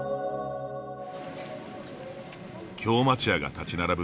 京町家が立ち並ぶ